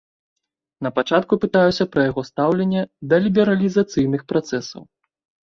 Напачатку пытаюся пра яго стаўленне да лібералізацыйных працэсаў.